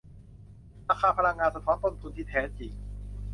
ราคาพลังงานสะท้อนต้นทุนที่แท้จริง